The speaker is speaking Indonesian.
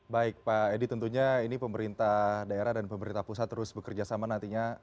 baik pak edi tentunya ini pemerintah daerah dan pemerintah pusat terus bekerja sama nantinya